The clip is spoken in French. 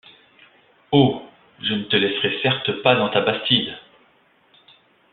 Oh ! je ne te laisserai certes pas dans ta bastide.